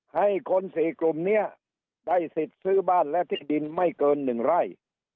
ให้คน๔กลุ่มนี้ได้สิทธิ์ซื้อบ้านและที่ดินไม่เกิน๑ไร่